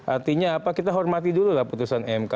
artinya apa kita hormati dulu lah putusan mk